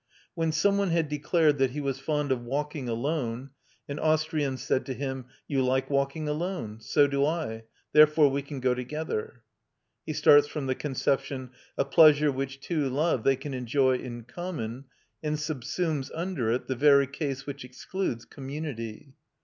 When some one had declared that he was fond of walking alone, an Austrian said to him: "You like walking alone; so do I: therefore we can go together." He starts from the conception, "A pleasure which two love they can enjoy in common," and subsumes under it the very case which excludes community.